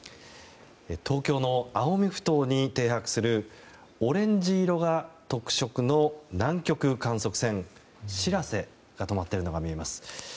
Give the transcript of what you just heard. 東京の青海ふ頭に停泊するオレンジ色が特色の南極観測船「しらせ」が止まっているのが見えます。